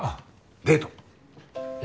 デート？え？